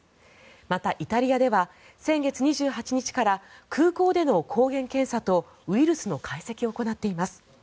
また、イタリアでは先月２８日から空港での抗原検査とウイルスの解析を行っています。